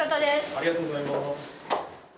ありがとうございます。